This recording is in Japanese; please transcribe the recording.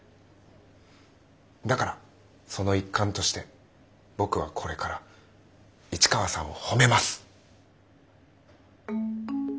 だからその一環として僕はこれから市川さんを褒めます！